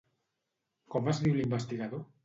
Com es diu l'investigador?